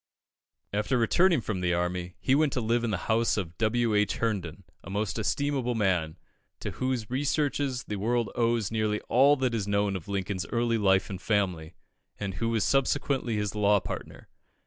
After returning from the army, he went to live in the house of W. H. Herndon, a most estimable man, to whose researches the world owes nearly all that is known of Lincoln's early life and family, and who was subsequently his law partner.